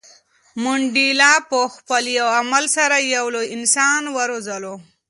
منډېلا په خپل یو عمل سره یو لوی انسان وروزلو.